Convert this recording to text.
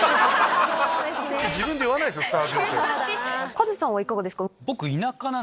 カズさんはいかがですか？